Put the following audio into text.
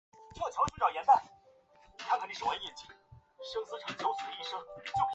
它位于连接塔纳帕格和圣文森特的环岛路之间。